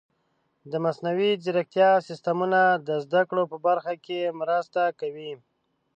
د مصنوعي ځیرکتیا سیستمونه د زده کړو په برخه کې مرسته کوي.